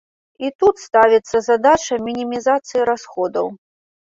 І тут ставіцца задача мінімізацыі расходаў.